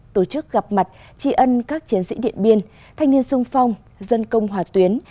tổ chức gặp mặt tri ân các chiến sĩ điện biên thanh niên sung phong dân công hòa tuyến